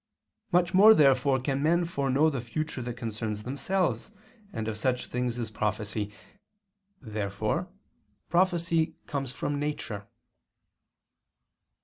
Much more therefore can men foreknow the future that concerns themselves, and of such things is prophecy. Therefore prophecy comes from nature.